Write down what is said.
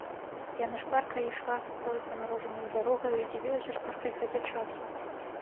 Яна шпарка ішла сухою прамарожанаю дарогаю і дзівілася шпаркай хадзе часу.